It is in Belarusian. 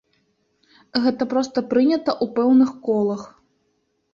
Гэта проста прынята ў пэўных колах.